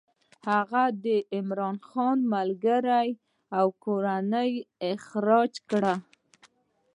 هغه د عمرا خان ملګري او کورنۍ اخراج کړل.